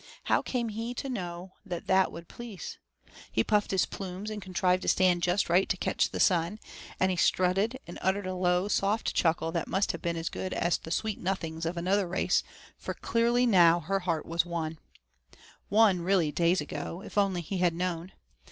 How came he to know that that would please? He puffed his plumes and contrived to stand just right to catch the sun, and he strutted and uttered a low, soft chuckle that must have been as good as the 'sweet nothings' of another race, for clearly now her heart was won. Won, really, days ago, if only he had known.